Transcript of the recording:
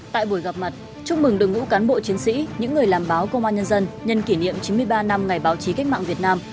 tại buổi gặp mặt chúc mừng đồng ngũ cán bộ chiến sĩ những người làm báo công an nhân dân nhân kỷ niệm chín mươi ba năm ngày báo chí cách mạng việt nam